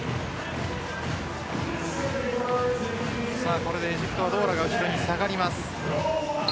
これでエジプトはドーラが後ろに下がります。